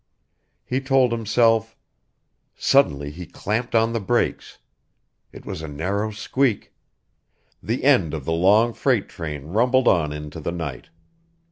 He told himself Suddenly he clamped on the brakes. It was a narrow squeak! The end of the long freight train rumbled on into the night.